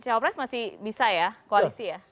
cawapres masih bisa ya koalisi ya